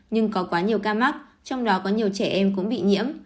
nhưng có quá nhiều ca mắc trong đó có nhiều trẻ em cũng bị nhiễm